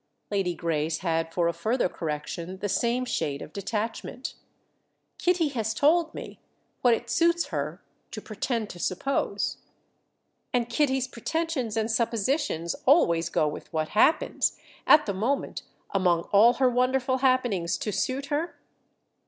Lady Grace had for a further correction the same shade of detachment. "Kitty has told me—what it suits her to pretend to suppose." "And Kitty's pretensions and suppositions always go with what happens—at the moment, among all her wonderful happenings—to suit her?"